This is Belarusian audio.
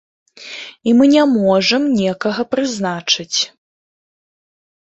І мы не можам некага прызначыць.